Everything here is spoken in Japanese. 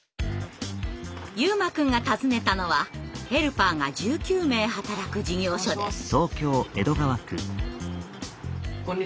悠真くんが訪ねたのはヘルパーが１９名働く事業所です。